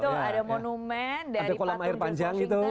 betul ada monumen dari patung di washington